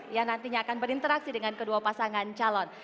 yang nantinya akan berinteraksi dengan kedua pasangan calon